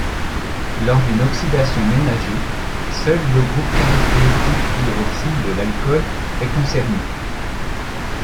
Lors d'une oxydation ménagée seul le groupe caractéristique hydroxyle de l'alcool est concerné.